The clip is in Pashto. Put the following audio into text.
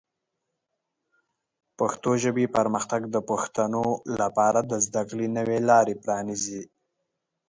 د پښتو ژبې پرمختګ د پښتنو لپاره د زده کړې نوې لارې پرانیزي.